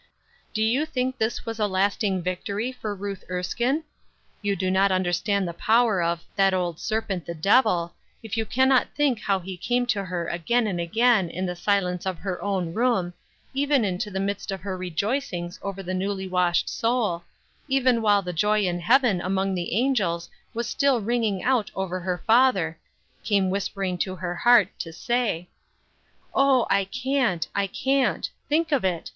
Do you think this was a lasting victory for Ruth Erskine? You do not understand the power of "that old serpent, the Devil," if you can not think how he came to her again and again in the silence of her own room, even into the midst of her rejoicings over the newly washed soul, even while the joy in heaven among the angels was still ringing out over her father, came whispering to her heart to say: "Oh, I can't, I can't. Think of it!